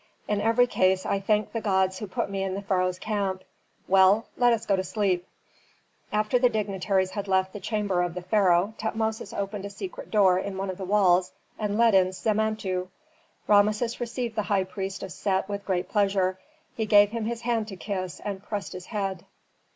In every case I thank the gods who put me in the pharaoh's camp. Well, let us go to sleep." After the dignitaries had left the chamber of the pharaoh, Tutmosis opened a secret door in one of the walls, and led in Samentu. Rameses received the high priest of Set with great pleasure; he gave him his hand to kiss, and pressed his head.